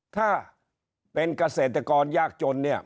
ถ้าเป็นเกษตรกรยากจนเนี่ย